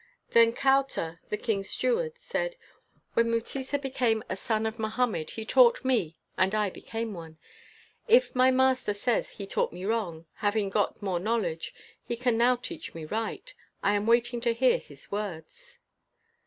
Then Kauta, the king's steward, said: "When Mutesa became a son of Mohammed, he taught me, and I became one ; if my mas ter says he taught me wrong, having got more knowledge, he can now teach me right. I am waiting to hear his words."